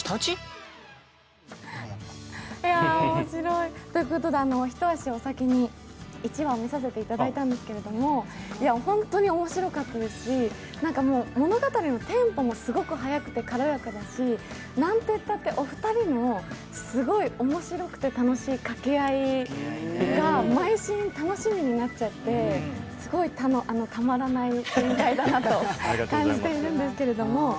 面白い。ということで一足お先に１話、見させていただいたんですけれども本当に面白かったですし、物語のテンポもすごく早くて軽やかだし、何ていったってお二人のすごく面白くて楽しいかけ合いが、毎シーン楽しみになっちゃってすごいたまらないドラマだなと感じてます。